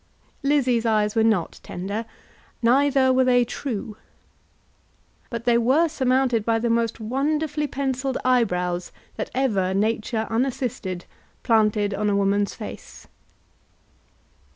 Lizzie's eyes were not tender, neither were they true. But they were surmounted by the most wonderfully pencilled eyebrows that ever nature unassisted planted on a woman's face.